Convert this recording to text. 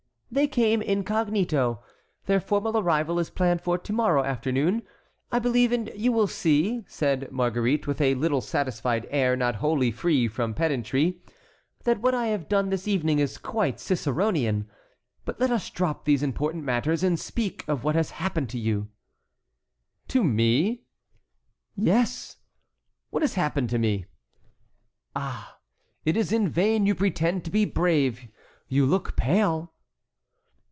"They came incognito. Their formal arrival is planned for to morrow afternoon, I believe, and you will see," said Marguerite, with a little satisfied air not wholly free from pedantry, "that what I have done this evening is quite Ciceronian. But let us drop these important matters and speak of what has happened to you." "To me?" "Yes." "What has happened to me?" "Ah! it is in vain you pretend to be brave, you look pale."